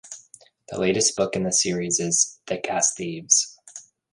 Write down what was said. The latest book in the series is "Thick as Thieves".